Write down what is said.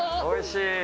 おいしい。